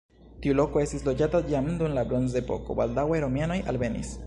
Tiu loko estis loĝata jam dum la bronzepoko, baldaŭe romianoj alvenis.